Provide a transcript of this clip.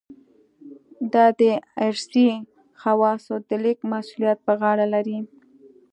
دا د ارثي خواصو د لېږد مسوولیت په غاړه لري.